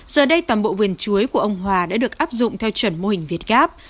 giờ đây toàn bộ vườn chuối của ông hòa đã được áp dụng theo chuẩn mô hình việt gáp